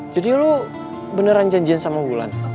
jadi lo beneran janjian sama ulan